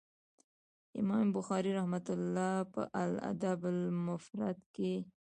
امام بخاري رحمه الله په الأدب المفرد کي